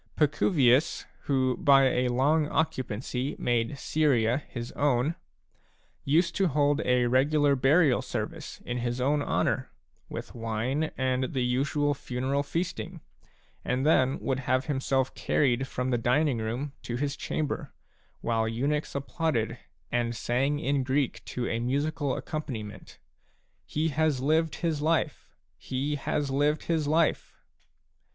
Paciryius, who by long occupancy made Syria^y his own/ used to hold a regular burial sacrifice in his own honour, with wine and the usual funeral feasting, and then would have himself carried from the dining room to his chamber, while eunuchs applauded and sang in Greek to a musical accom paniment :" He has lived his life, he has lived his life